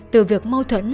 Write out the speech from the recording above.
từ việc mâu thuẫn